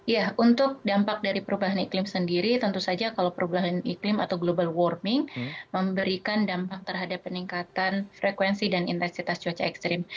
ya untuk dampak dari perubahan iklim sendiri tentu saja kalau perubahan iklim atau global warming memberikan dampak terhadap peningkatan frekuensi dan intensitas cuaca ekstrim